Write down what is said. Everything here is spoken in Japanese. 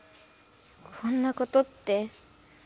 こんなことって。